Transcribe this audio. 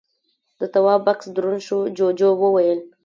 د تواب بکس دروند شو، جُوجُو وويل: